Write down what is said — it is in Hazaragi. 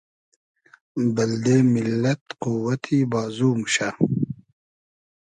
بئلدې میللئد قووئتی بازو موشۂ